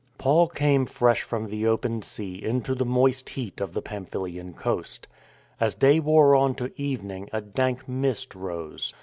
Paul came fresh from the open sea into the moist heat of the Pamphylian coast. As day wore on to evening a dank mist rose.